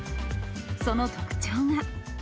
その特徴が。